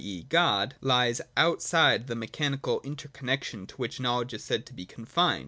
e. God, lies outside of the mechanical inter connexion to which knowledge is said to be con fined.